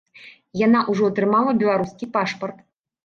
Яна ўжо атрымала беларускі пашпарт.